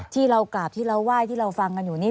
ที่เรากราบที่เราไหว้ที่เราฟังกันอยู่นี่